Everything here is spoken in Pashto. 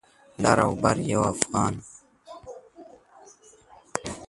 لر او بر یو افغان